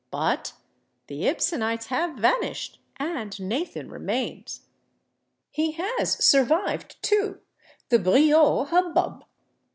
But the Ibsenites have vanished and Nathan remains. He has survived, too, the Brieux hubbub.